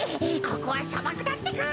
ここはさばくだってか。